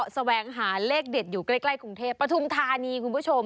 สวังหาเลขเด็ดอยู่ใกล้คุงเทพภาษาประธุมธานีคุณผู้ชม